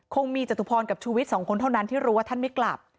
คงมีจตุพรกับชูวิทย์สองคนเท่านั้นที่รู้ว่าท่านไม่กลับ